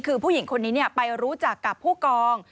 คือผู้หญิงคนนี้ไปรู้จักกับผู้กอง